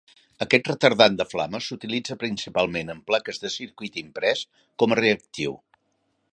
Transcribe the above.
Aquest retardant de flama s'utilitza principalment en plaques de circuit imprès, com a reactiu.